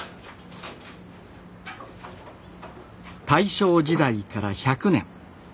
大正時代から１００年。